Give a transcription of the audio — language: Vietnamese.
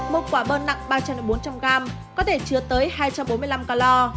một quả bơ nặng ba trăm linh bốn trăm linh g có thể chứa tới hai trăm bốn mươi năm calo